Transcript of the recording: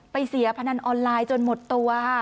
เสียพนันออนไลน์จนหมดตัวค่ะ